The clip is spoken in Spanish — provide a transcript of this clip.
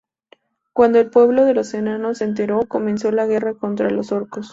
Cuando el pueblo de los Enanos se enteró, comenzó la guerra contra los orcos.